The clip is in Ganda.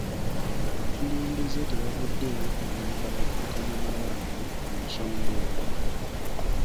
Abakulembeze tebavuddeeyo kuyamba baddukanya malwaliro mu nsonga eno